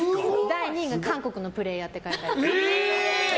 第２位が韓国のプレーヤーって書いてあります。